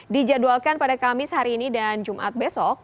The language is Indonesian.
dijadwalkan pada kamis hari ini dan jumat besok